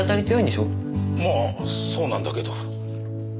まあそうなんだけど。